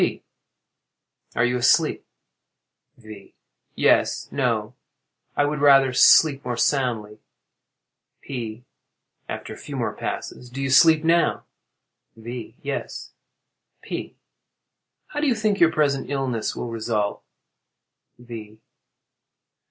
P. Are you asleep? V. Yes—no; I would rather sleep more soundly. P. [After a few more passes.] Do you sleep now? V. Yes. P. How do you think your present illness will result? _V.